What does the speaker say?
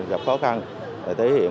gặp khó khăn thể hiện